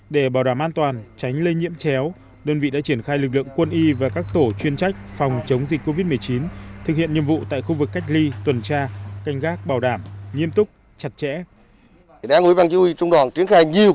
để bảo đảm an toàn và ngăn chặn dịch bệnh covid một mươi chín ngay từ cửa ngõ phía bắc của tỉnh bình định đã có chốt kiểm soát dịch trên đèo bình đê